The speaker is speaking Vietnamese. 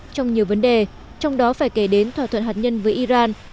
trong nhiều vấn đề trong đó phải kể đến thỏa thuận hạt nhân với iran